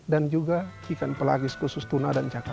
dan juga ikan pelagis khusus tuna dan cacat